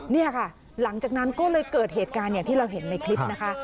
นี่ค่ะหลังจากนั้นก็เลยเกิดเหตุการณ์อย่างที่เราเห็นในคลิปนะคะ